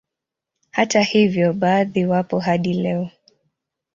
Hata hivyo baadhi wapo hadi leo